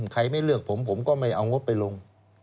ใครไม่เลือกผมผมก็ไม่เอางบไปลง